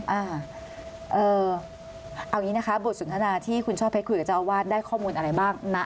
เอาอย่างนี้นะคะบทสนทนาที่คุณช่อเพชรคุยกับเจ้าอาวาสได้ข้อมูลอะไรบ้างนะ